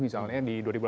misalnya di indonesia